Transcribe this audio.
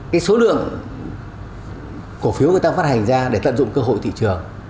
cái số lượng cổ phiếu người ta phát hành ra để tận dụng cơ hội thị trường